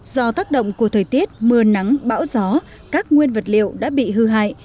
do tác động của thời tiết mưa nắng bão gió các nguyên vật liệu đã bị hư hại